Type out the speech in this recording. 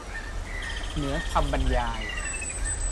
เหนือคำบรรยาย